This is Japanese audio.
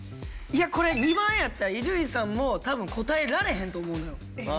これ２番やったら伊集院さんも多分答えられへんと思うのよ。